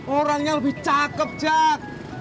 orangnya lebih cakep jak